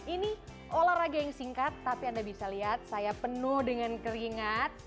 ini olahraga yang singkat tapi anda bisa lihat saya penuh dengan keringat